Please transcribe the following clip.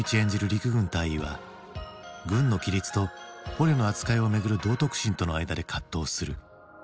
陸軍大尉は軍の規律と捕虜の扱いをめぐる道徳心との間で葛藤する。